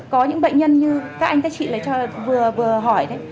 có những bệnh nhân như các anh các chị lấy cho vừa vừa hỏi đấy